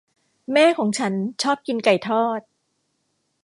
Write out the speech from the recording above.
แม่ของฉันชอบกินไก่ทอด